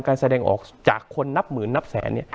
การแสดงออกจากคนนับหมื่นนับแสนเนี่ย